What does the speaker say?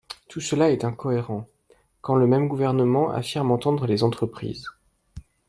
Tout cela est incohérent, quand le même gouvernement affirme entendre les entreprises.